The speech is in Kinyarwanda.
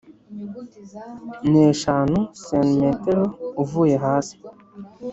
N eshanu cm uvuye hasi